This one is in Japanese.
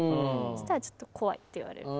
したら「ちょっと怖い」って言われる。